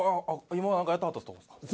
今何かやってはったとこですか？